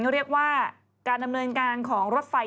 เขาเรียกว่าการดำเนินการของรถไฟ